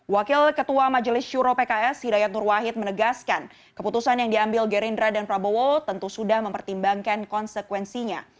wakil ketua majelis syuro pks hidayat nur wahid menegaskan keputusan yang diambil gerindra dan prabowo tentu sudah mempertimbangkan konsekuensinya